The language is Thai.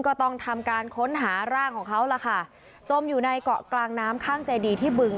ก็ต้องทำการค้นหาร่างของเขาล่ะค่ะจมอยู่ในเกาะกลางน้ำข้างเจดีที่บึง